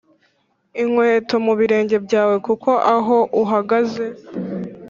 Inkweto mu birenge byawe kuko aho uhagaze